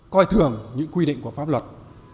coi thường những quy định của pháp luật